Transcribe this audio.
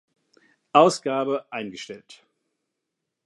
Ausgabe eingestellt.